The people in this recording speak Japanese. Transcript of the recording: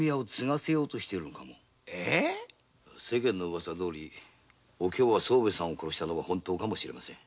ウワサどおりお京が総兵衛さんを殺したのは本当かもしれません。